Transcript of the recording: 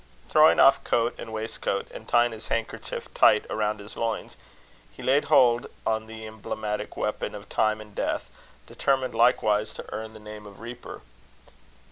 Throwing off coat and waistcoat, and tying his handkerchief tight round his loins, he laid hold on the emblematic weapon of Time and Death, determined likewise to earn the name of Reaper.